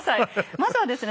まずはですね。